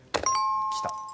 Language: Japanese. きた。